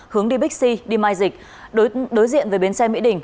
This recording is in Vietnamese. hướng đi bixi đi mai dịch đối diện với bến xe mỹ đình